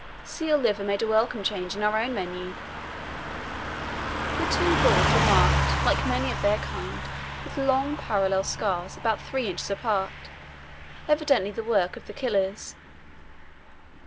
Seal liver made a welcome change in our own menu. The two bulls were marked, like many of their kind, with long parallel scars about three inches apart, evidently the work of the killers.